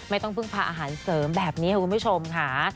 ไม่ต้องพึ่งพาอาหารเสริมแบบนี้ค่ะคุณผู้ชมค่ะ